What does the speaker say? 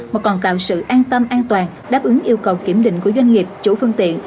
mà còn tạo sự an tâm an toàn đáp ứng yêu cầu kiểm định của doanh nghiệp chủ phương tiện